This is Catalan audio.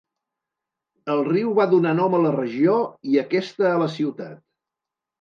El riu va donar nom a la regió i aquesta a la ciutat.